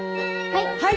はい！